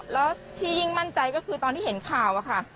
แล้วที่ยิ่งมั่นใจก็คือตอนที่เห็นข่าวอะค่ะ